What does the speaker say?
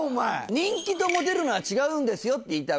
人気とモテるのは違うんですよって言いたいわけだろ？